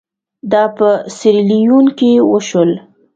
دا په سیریلیون کې وشول.